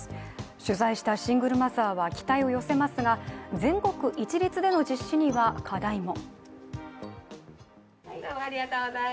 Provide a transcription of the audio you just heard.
取材したシングルマザーは期待を寄せますが、全国一律での実施には課題も。